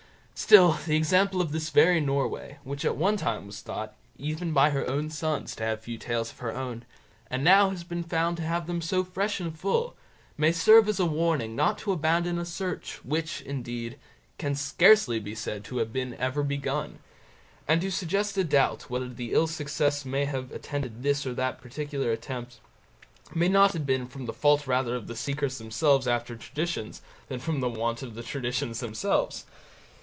Still the example of this very Norway, which at one time was thought, even by her own sons, to have few tales of her own, and now has been found to have them so fresh and full, may serve as a warning not to abandon a search, which, indeed, can scarcely be said to have been ever begun; and to suggest a doubt whether the ill success which may have attended this or that particular attempt, may not have been from the fault rather of the seekers after traditions, than from the want of the traditions themselves.